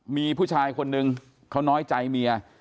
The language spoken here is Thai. มีผู้ชายคนนึงเขาน้อยใจเมีย